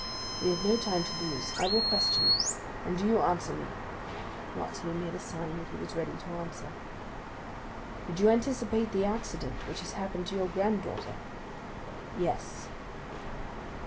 "We have no time to lose; I will question, and do you answer me." Noirtier made a sign that he was ready to answer. "Did you anticipate the accident which has happened to your granddaughter?" "Yes."